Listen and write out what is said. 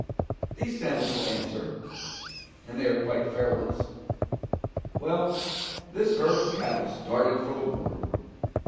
These samples will answer and they are quite fair ones. Well, this herd of cattle started for the war.